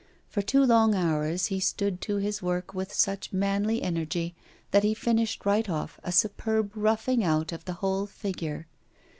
For two long hours he stood to his work with such manly energy that he finished right off a superb roughing out of the whole figure.